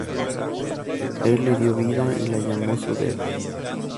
Él le dio vida y la llamó su Deva.